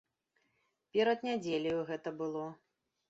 Перад нядзеляю гэта было.